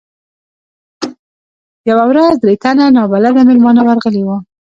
یوه ورځ درې تنه ناولده میلمانه ورغلي وو.